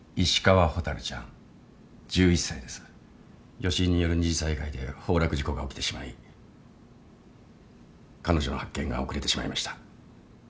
余震による二次災害で崩落事故が起きてしまい彼女の発見が遅れてしまいました。